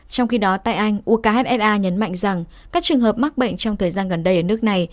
trong khi đó tại anh ukh nhấn mạnh rằng các trường hợp mắc bệnh trong thời gian gần đây ở nước này